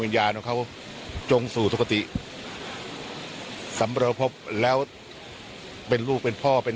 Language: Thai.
วิญญาณของเขาจงสู่ทุกติแล้วเป็นลูกเป็นพ่อเป็น